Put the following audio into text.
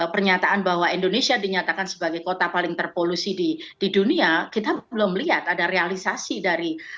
pernyataan bahwa indonesia dinyatakan sebagai kota paling terpolusi di dunia kita belum lihat ada realisasi dari